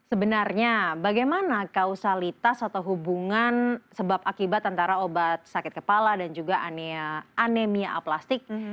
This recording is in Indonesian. sebenarnya bagaimana kausalitas atau hubungan sebab akibat antara obat sakit kepala dan juga anemia aplastik